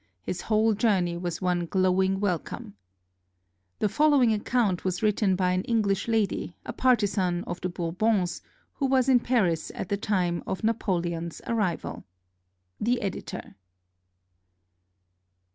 His whole journey was one glowing welcome. The following account was written by an English lady, a partisan of the Bourbons, who was in Paris at the time of Napoleon's arrival. The Editor.